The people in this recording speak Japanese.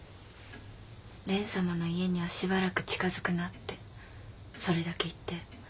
「蓮様の家にはしばらく近づくな」ってそれだけ言って。